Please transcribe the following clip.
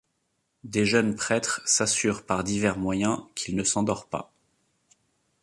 Des jeunes prêtres s’assurent par divers moyens qu’il ne s’endort pas.